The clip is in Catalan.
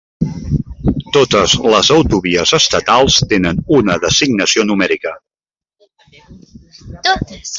Totes les autovies estatals tenen una designació numèrica.